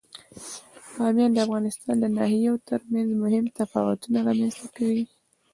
بامیان د افغانستان د ناحیو ترمنځ مهم تفاوتونه رامنځ ته کوي.